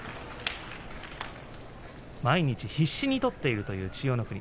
毎日、必死に取っているという千代の国。